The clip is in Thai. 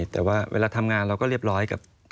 แต่ว่าเวลาทำงานเราก็เรียบร้อยกับ